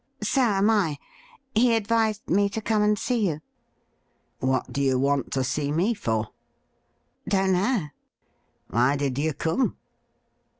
' So am I. He advised me to come and see you.' ' What do you want to see me for ?'' Don't know.' ' Why did you come